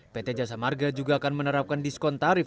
pt jasa marga juga akan menerapkan diskon tarif